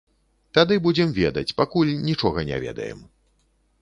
Тады будзем ведаць, пакуль нічога не ведаем.